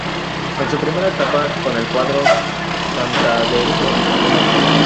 En su primera etapa con el cuadro santanderino apenas jugó.